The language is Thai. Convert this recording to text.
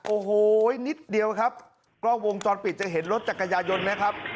โอ้โหนิดเดียวครับกล้องวงจรปิดจะเห็นรถจักรยายนต์นะครับ